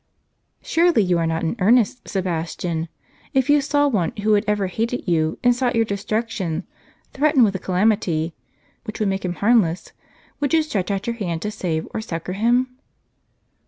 " Surely, you are not in earnest, Sebastian. If you saw c::^ one who had ever hated you, and sought your destruction, threatened with a calamity, which would make him harmless, would you stretch out your hand to save, or succor, him